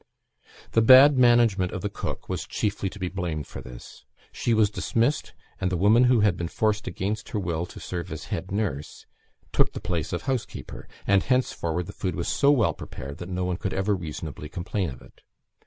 The bad management of the cook was chiefly to be blamed for this; she was dismissed, and the woman who had been forced against her will to serve as head nurse, took the place of housekeeper; and henceforward the food was so well prepared that no one could ever reasonably complain of it.